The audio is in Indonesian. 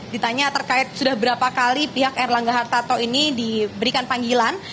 ditanya terkait sudah berapa kali pihak erlangga hartarto ini diberikan panggilan